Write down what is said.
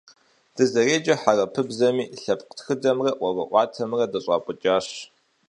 Дызэреджэр хьэрыпыбзэми, лъэпкъ тхыдэмрэ ӀуэрыӀуатэмрэ дыщӀапӀыкӀащ.